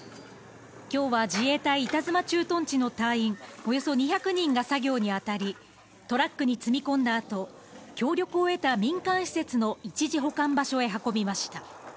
今日は自衛隊・板妻駐屯地の隊員、およそ２００人が作業にあたり、トラックに積み込んだあと協力を得た民間施設の一時保管場所へ運びました。